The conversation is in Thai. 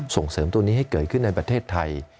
ส่งเสริมตัวนี้ให้เกิดขึ้นในประเทศไทย